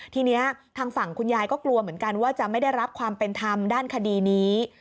ทีนี้ทางฝั่งคุณยายก็กลัวเหมือนกันว่าจะไม่ได้รับความเป็นธรรมด้านคดีนี้